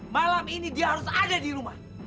malam ini dia harus ada di rumah